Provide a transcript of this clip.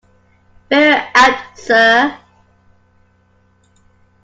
Very apt, sir.